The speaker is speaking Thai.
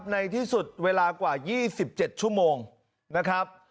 ในที่สุดเวลากว่า๒๗ชั่วโมงนะครับ